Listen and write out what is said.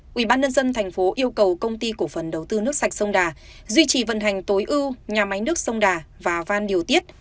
quỹ ban nhân dân thành phố yêu cầu công ty cổ phần đầu tư nước sạch sông đà duy trì vận hành tối ưu nhà máy nước sông đà và van điều tiết